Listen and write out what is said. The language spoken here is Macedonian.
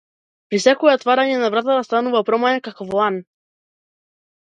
При секое отворање на вратата станува промаја како во ан.